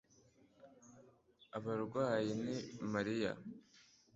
abarwayi ni mariya